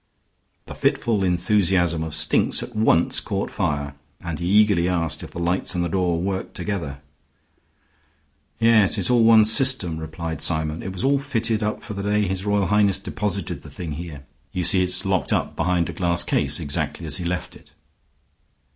The fitful enthusiasm of Stinks at once caught fire, and he eagerly asked if the lights and the door worked together. "Yes, it's all one system," replied Symon. "It was all fitted up for the day His Royal Highness deposited the thing here. You see, it's locked up behind a glass case exactly as he left it."